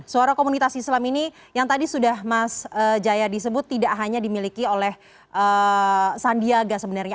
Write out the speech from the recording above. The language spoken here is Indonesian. suara komunitas islam ini yang tadi sudah mas jaya disebut tidak hanya dimiliki oleh sandiaga sebenarnya